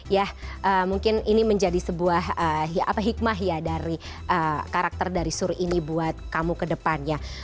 ya mungkin ini menjadi sebuah hikmah ya dari karakter dari suri ini buat kamu ke depannya